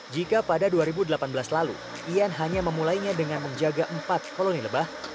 jika pada dua ribu delapan belas lalu ian hanya memulainya dengan menjaga empat koloni lebah